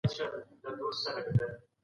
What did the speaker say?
تاسو باید په هره برخه کي مطالعه ولرئ.